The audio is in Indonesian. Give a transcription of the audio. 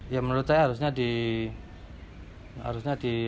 ya menurut saya harusnya dikatakan yang sebenarnya gitu loh